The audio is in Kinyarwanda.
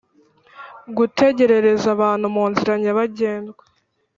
gutegerereza abantu mu nzira nyabagendwa